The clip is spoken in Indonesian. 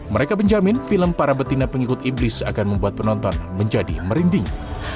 mereka menjamin film para betina pengikut iblis akan membuat penonton menjadi merinding